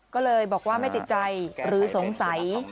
ก็เลยบอกว่าไม่ติดใจหรือสงสัย